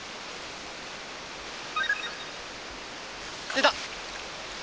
出た！